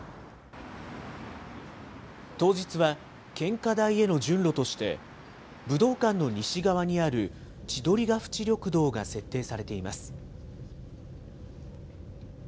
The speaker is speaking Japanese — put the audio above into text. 当日は献花台への順路として、武道館の西側にある千鳥ヶ淵緑道が設定されています。